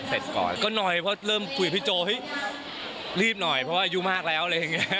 ก่อนก็หน่อยเพราะเริ่มคุยกับพี่โจเฮ้ยรีบหน่อยเพราะว่าอายุมากแล้วอะไรอย่างนี้